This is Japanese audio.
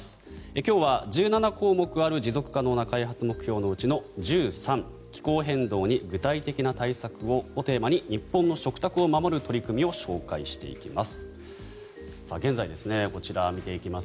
今日は１７項目ある持続可能な開発目標のうちの「１３気候変動に具体的な対策を」をテーマに日本の食卓を守る取り組みを紹介していきます。